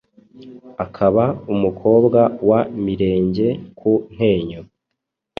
akaba umukobwa wa Mirenge ku Ntenyo